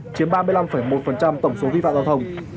chiếm ba mươi năm một tổng số vi phạm giao thông